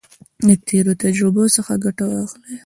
د تیرو تجربو څخه ګټه واخلئ.